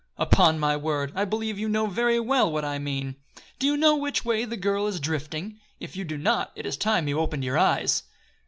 "Upon my word! I believe you know very well what I mean. Don't you know which way the girl is drifting? If you do not, it is time you opened your eyes!"